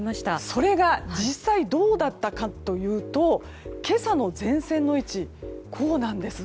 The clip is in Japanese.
それが実際どうだったかというと今朝の前線の位置はこうなんです。